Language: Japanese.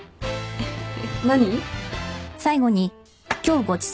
えっ何？